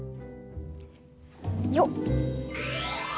よっ！